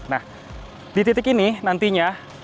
nah di titik ini nantinya